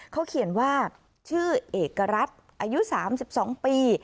เขาเขียนว่าชื่อเอกรัฐอายุ๓๒ปี